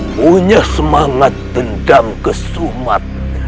punya semangat dendam keseluruhanmu